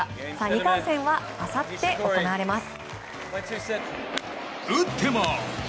２回戦はあさって行われます。